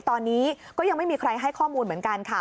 ตอนนี้ก็ยังไม่มีใครให้ข้อมูลเหมือนกันค่ะ